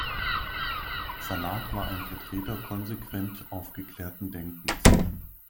Salat war ein Vertreter konsequent aufgeklärten Denkens.